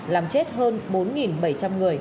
làm chết hơn bốn bảy trăm linh người